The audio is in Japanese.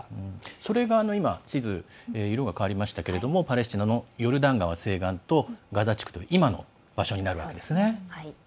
それが今地図の色が変わったパレスチナのヨルダン川西岸地区とガザ地区という今の場所になるんですね。